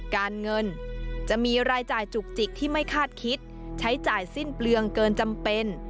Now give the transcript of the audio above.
การเงินจะมีรายจ่ายจุกจิกที่ไม่คาดคิดใช้จ่ายสิ้นเปลืองเกินจำเป็น